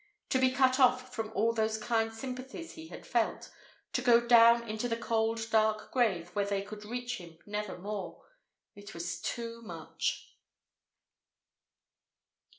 To be cut off from all those kind sympathies he had felt, to go down into the cold dark grave where they could reach him never more it was too much.